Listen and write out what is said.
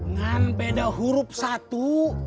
ngan beda huruf satu